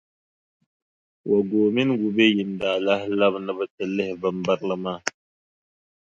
Wagow mini Wobeyin daa lahi labi ni bɛ ti lihi bimbirili maa.